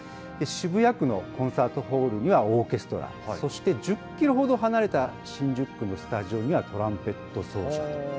渋谷区のコンサートホールにはオーケストラ、そして１０キロほど離れた新宿区のスタジオにはトランペット奏者。